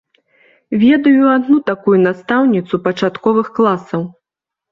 Ведаю адну такую настаўніцу пачатковых класаў.